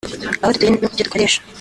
aho dutuye no ku byo dukoresha